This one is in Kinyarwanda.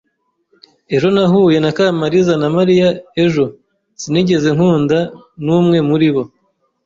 Ejo nahuye na Kamaliza na Mariya ejo. Sinigeze nkunda n'umwe muri bo.